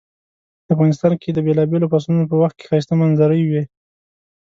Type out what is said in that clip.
افغانستان کې د بیلابیلو فصلونو په وخت کې ښایسته منظرۍ وی